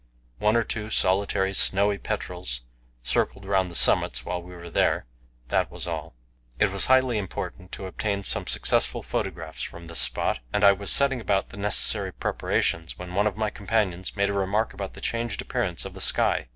One or two solitary snowy petrels circled round the summit while we were there; that was all. It was highly important to obtain some successful photographs from this spot, and I was setting about the necessary preparations, when one of my companions made a remark about the changed appearance of the sky.